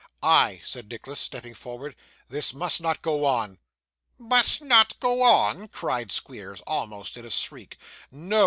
'I,' said Nicholas, stepping forward. 'This must not go on.' 'Must not go on!' cried Squeers, almost in a shriek. 'No!